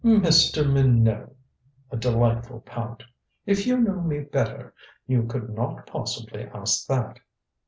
"Mr. Minot!" A delightful pout. "If you knew me better you could not possibly ask that."